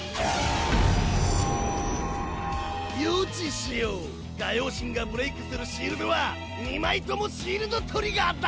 予知しようガヨウ神がブレイクするシールドは２枚ともシールド・トリガーだ！